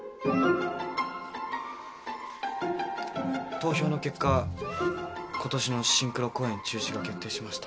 投票の結果今年のシンクロ公演中止が決定しました。